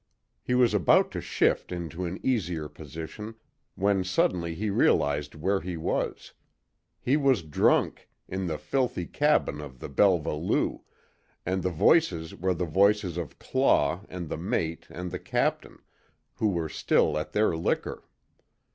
He was about to shift into an easier position, when suddenly he realized where he was. He was drunk in the filthy cabin of the Belva Lou and the voices were the voices of Claw, and the mate, and the Captain, who were still at their liquor.